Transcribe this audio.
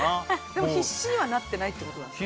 でも必死にはなってないということですか？